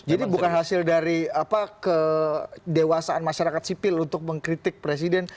jadi bukan hasil dari kedewasaan masyarakat sipil untuk mengkritik presiden